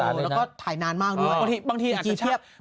แล้วก็ถ่ายนานมากด้วย